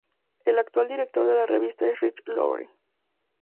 El actual editor de la revista es Rich Lowry.